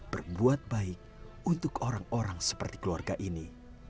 berbuat baik untuk orang orang seperti keluarga ini